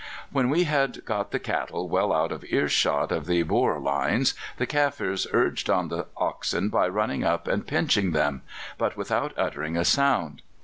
"When we had got the cattle well out of earshot of the Boer lines, the Kaffirs urged on the oxen by running up and pinching them, but without uttering a sound.